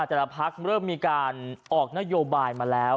แต่ละพักเริ่มมีการออกนโยบายมาแล้ว